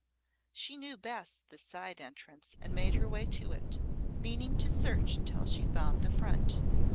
She knew best this side entrance, and made her way to it, meaning to search until she found the front.